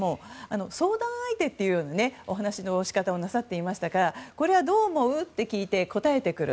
相談相手っていうお話の仕方をなさっていましたからこれはどう思う？と聞いて答えてくる。